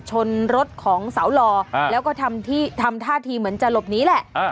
ชนรถของสาวหล่อแล้วก็ทำท่าทีเหมือนจะหลบหนีแหละ